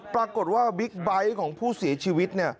ปรากฏว่าบิ๊กไบท์ของผู้สีชีวิต